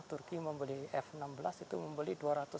turki membeli f enam belas itu membeli